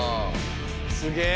すげえ！